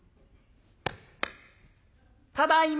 「ただいま。